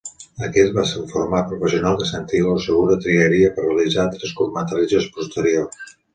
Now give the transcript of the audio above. Aquest va ser el format professional que Santiago Segura triaria per realitzar tres curtmetratges posteriors.